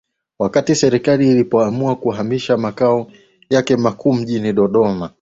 wakati Serikali ilipoamua kuhamishia makao yake makuu mjini Dodoma